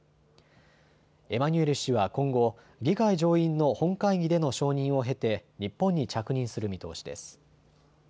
エマニュエル氏は今後、議会上院の本会議での承認を経て日本に着任する見通しです。